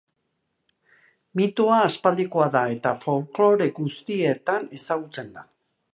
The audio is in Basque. Mitoa aspaldikoa da eta folklore guztietan ezagutzen da.